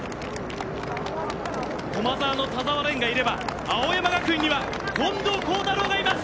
駒澤の田澤廉がいれば青山学院には近藤幸太郎がいます。